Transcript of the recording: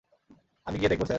আমি গিয়ে দেখবো, স্যার?